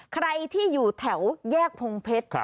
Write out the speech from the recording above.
ใครที่อยู่แถวแยกพงเพชร